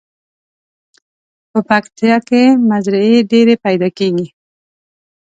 په پکتیا کې مزري ډیر پیداکیږي.